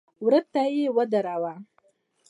وره ته يې ودراوه.